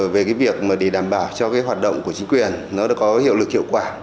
về cái việc mà để đảm bảo cho cái hoạt động của chính quyền nó đã có hiệu lực hiệu quả